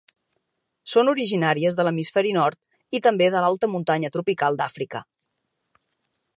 Són originàries de l'hemisferi nord i també de l'alta muntanya tropical d'Àfrica.